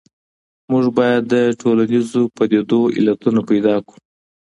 موږ بايد د ټولنيزو پديدو علتونه پيدا کړو.